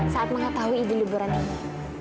saat mengetahui izin liburan ini